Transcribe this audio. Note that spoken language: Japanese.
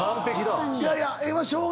いやいや今。